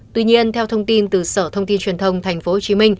tuy nhiên theo thông tin từ sở thông tin truyền thông tp hcm